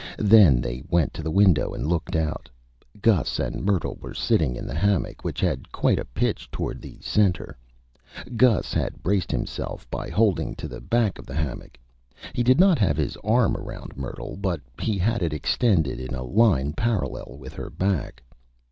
Then they went to the Window and looked out. Gus and Myrtle were sitting in the Hammock, which had quite a Pitch toward the Center. Gus had braced himself by Holding to the back of the Hammock. He did not have his Arm around Myrtle, but he had it Extended in a Line parallel with her Back.